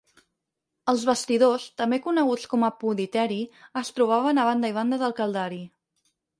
Els vestidors, també coneguts com apoditeri, es trobaven a banda i banda del caldari.